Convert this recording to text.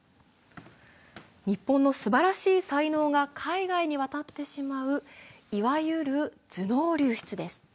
日本のすばらしい才能が海外に渡ってしまう、いわゆる頭脳流出です。